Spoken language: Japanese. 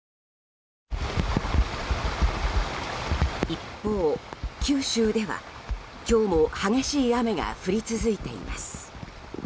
一方、九州では今日も激しい雨が降り続いています。